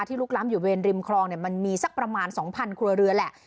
ที่ลุกล้ำอยู่เวนริมคลองเนี้ยมันมีสักประมาณสองพันครัวเรือแหละ